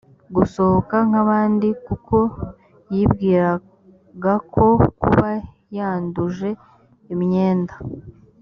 gusohoka nk abandi kuko yibwiraga ko kuba yanduje imyenda